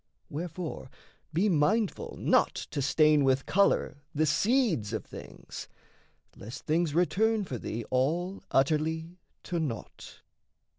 Wherefore be mindful not to stain with colour The seeds of things, lest things return for thee All utterly to naught.